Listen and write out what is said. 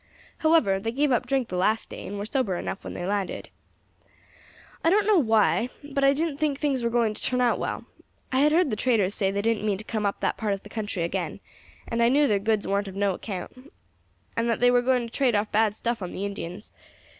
However, they gave up drink the last day, and were sober enough when they landed. "I don't know why, but I didn't think things were going to turn out well. I had heard the traders say as they didn't mean to come up that part of the country agin, and I knew their goods warn't of no account, and that they were going to trade off bad stuff on the Indians.